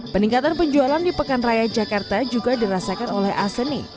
peningkatan penjualan di pekan raya jakarta juga dirasakan oleh aseni